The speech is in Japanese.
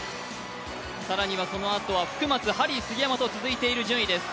更にはそのあとは福松、ハリー杉山と続いている順位です。